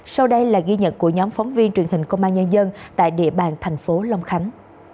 sau đây là ghi nhận của nhóm phóng viên truyền hình công an nhân dân tại địa bàn thành phố long khánh